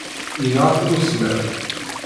Yenɣa-ten usemmiḍ.